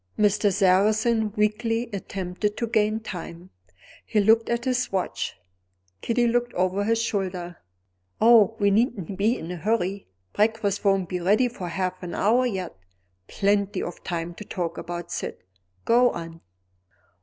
Mr. Sarrazin weakly attempted to gain time: he looked at his watch. Kitty looked over his shoulder: "Oh, we needn't be in a hurry; breakfast won't be ready for half an hour yet. Plenty of time to talk of Syd; go on."